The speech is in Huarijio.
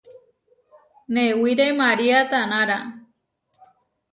Newíre María tanára.